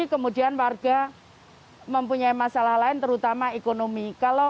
kemudian warga mempunyai masalah lain terutama ekonomi